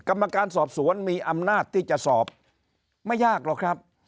กรรมการสอบสวนมีอำนาจที่จะสอบไม่ยากหรอกครับ